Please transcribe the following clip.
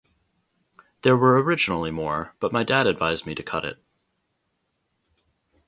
There was originally more but my dad advised me to cut it.